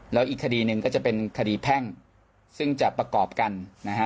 แล้วอีกคดีหนึ่งก็จะเป็นคดีแพ่งซึ่งจะประกอบกันนะฮะ